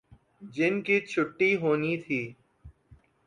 جن کی چھٹی ہونی تھی۔